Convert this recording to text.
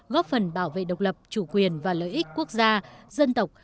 góp phần bảo vệ độc lập chủ quyền và lợi ích quốc gia dân tộc